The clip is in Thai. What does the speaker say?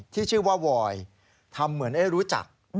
ที่ชื่อว่าวอยทำเหมือนได้รู้จัก